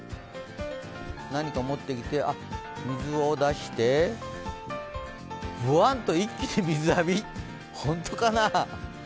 何か持ってきて、水を出してぶわんと一気に水浴びほんとかな？